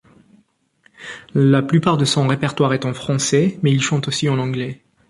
La plupart de son répertoire est en français mais il chante aussi en anglais.